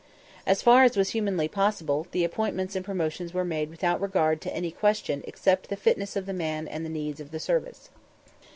As far as was humanly possible, the appointments and promotions were made without regard to any question except the fitness of the man and the needs of the service.